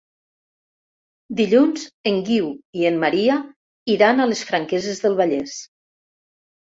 Dilluns en Guiu i en Maria iran a les Franqueses del Vallès.